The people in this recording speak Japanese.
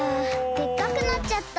でっかくなっちゃった。